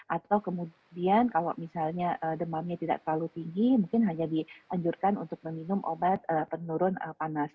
atau kemudian kalau misalnya demamnya tidak terlalu tinggi mungkin hanya dianjurkan untuk meminum obat penurun panas